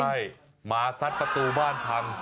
ใช่หมาซัดประตูบ้านพัง